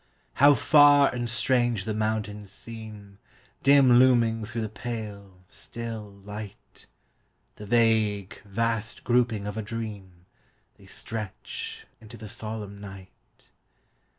How far and strange the mountains seem, Dim looming through the pale, still light! The vague, vast grouping of a dream, They stretch into the solemn night.